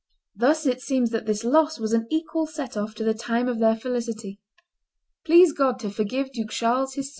Thus it seems that this loss was an equal set off to the time of their felicity. "Please God to forgive Duke Charles his sins!"